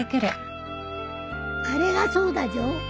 あれがそうだじょ。